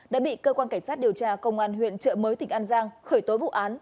đã bị cơ quan cảnh sát điều tra công an huyện trợ mới tỉnh an giang khởi tố vụ án